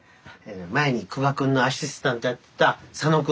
前に久我君のアシスタントやってた佐野君。